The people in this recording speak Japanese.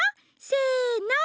せの！